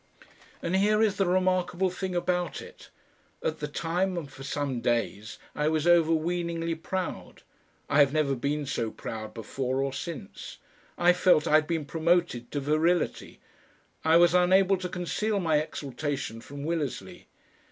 And here is the remarkable thing about it; at the time and for some days I was over weeningly proud; I have never been so proud before or since; I felt I had been promoted to virility; I was unable to conceal my exultation from Willersley.